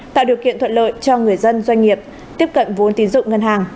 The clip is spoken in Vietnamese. tạo điều kiện thuận lợi cho người dân doanh nghiệp tiếp cận vốn tín dụng ngân hàng